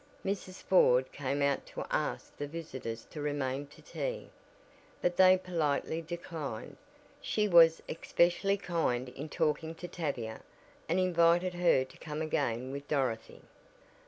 Mrs. Ford came out to ask the visitors to remain to tea, but they politely declined. She was especially kind in talking to Tavia, and invited her to come again with Dorothy.